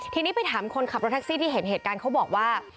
ทีนี้ไปถามคนขับรถแท็กซี่ที่เห็นเหตุการณ์เขาบอกว่า